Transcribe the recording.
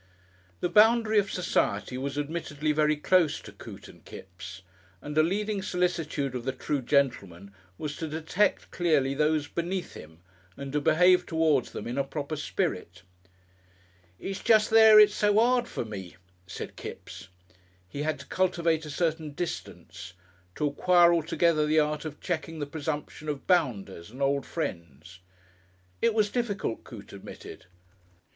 The boundary of Society was admittedly very close to Coote and Kipps, and a leading solicitude of the true gentleman was to detect clearly those "beneath" him, and to behave towards them in a proper spirit. "It's jest there it's so 'ard for me," said Kipps. He had to cultivate a certain "distance," to acquire altogether the art of checking the presumption of bounders and old friends. It was difficult, Coote admitted.